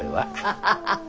ハハハハ。